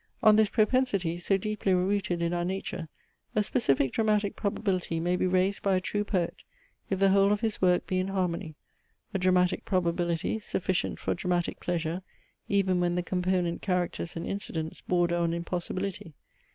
On this propensity, so deeply rooted in our nature, a specific dramatic probability may be raised by a true poet, if the whole of his work be in harmony: a dramatic probability, sufficient for dramatic pleasure, even when the component characters and incidents border on impossibility.